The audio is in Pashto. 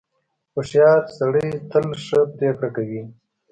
• هوښیار سړی تل ښه پرېکړه کوي.